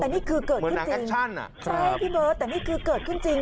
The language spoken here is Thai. โอ้โหเหมือนหนังแอคชั่นอ่ะใช่พี่เบิร์ดแต่นี่คือเกิดขึ้นจริง